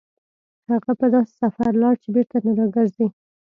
هغه په داسې سفر لاړ چې بېرته نه راګرځي.